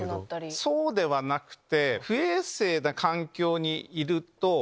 そうではなくて。